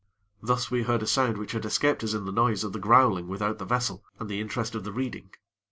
Thus we heard a sound which had escaped us in the noise of the growling without the vessel, and the interest of the reading.